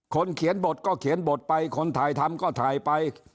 เขียนบทก็เขียนบทไปคนถ่ายทำก็ถ่ายไป